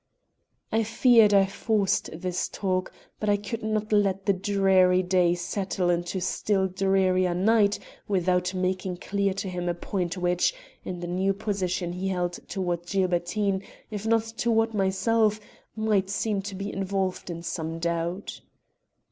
I feared I forced this talk, but I could not let the dreary day settle into still drearier night without making clear to him a point which, in the new position he held toward Gilbertine if not toward myself, might seem to be involved in some doubt.